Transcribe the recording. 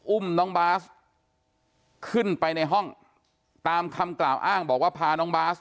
อุ้มน้องบาสขึ้นไปในห้องตามคำกล่าวอ้างบอกว่าพาน้องบาส